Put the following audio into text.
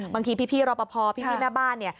บางทีพี่รอประพอพี่หน้าบ้าน